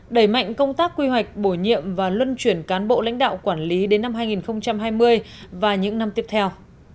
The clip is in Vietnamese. đẩy mạnh công tác quy hoạch bổ nhiệm và luân chuyển cán bộ lãnh đạo quản lý đến năm hai nghìn hai mươi và những năm tiếp theo